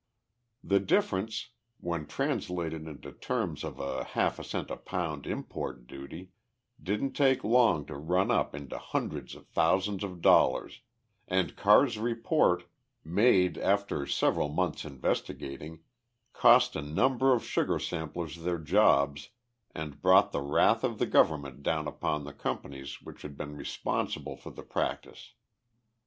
The difference, when translated into terms of a half a cent a pound import duty, didn't take long to run up into hundreds of thousands of dollars, and Carr's report, made after several months' investigating, cost a number of sugar samplers their jobs and brought the wrath of the government down upon the companies which had been responsible for the practice.